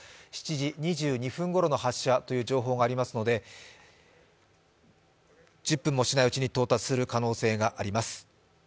７時２２分ごろの発射という情報がありますので、１０分もしないうちに、到達する可能性があります。